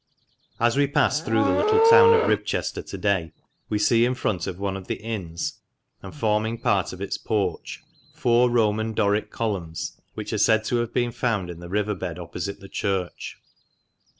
As we pass through the little town of Ribchester to day, we see in front of one of the inns, and forming part of its porch, four Roman Doric columns, which are said to have been found in the river bed opposite the church.